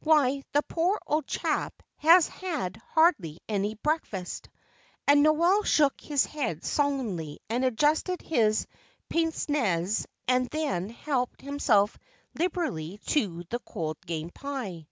Why, the poor old chap has had hardly any breakfast." And Noel shook his head solemnly, and adjusted his pince nez, and then helped himself liberally to the cold game pie.